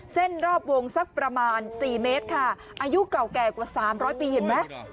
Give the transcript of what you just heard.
เส้นรอบวงสักประมาณ๔เมตรค่ะอายุเก่าแก่กว่า๓๐๐ปีเห็นไหม